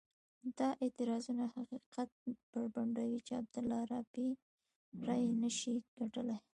دا اعتراضونه حقیقت بربنډوي چې عبدالله رایې نه شي ګټلای.